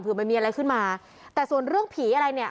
มันมีอะไรขึ้นมาแต่ส่วนเรื่องผีอะไรเนี่ย